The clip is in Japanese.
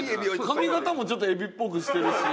髪形もちょっとエビっぽくしてるし。